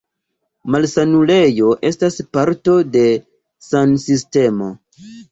Malsanulejo estas parto de san-sistemo.